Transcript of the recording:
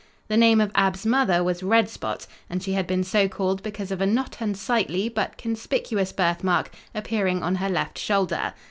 The name of Ab's mother was Red Spot, and she had been so called because of a not unsightly but conspicuous birthmark appearing on her left shoulder.